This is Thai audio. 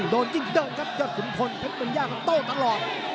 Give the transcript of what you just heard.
โดนยิ่งโด่งครับยอดขุนพลเผ็ดมึงย่าต้องโตตลอด